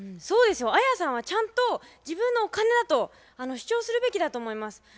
そうですよアヤさんはちゃんと自分のお金だと主張するべきだと思います。